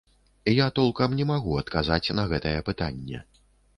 Я толкам не магу адказаць на гэтае пытанне.